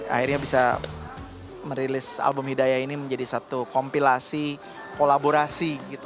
akhirnya bisa merilis album hidayah ini menjadi satu kompilasi kolaborasi